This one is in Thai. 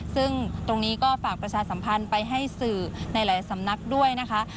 ซึ่งตรงนี้ก็ฝากประชาสัมพันธ์ไปให้สื่อในหลายสำนักด้วยนะคะ